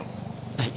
はい。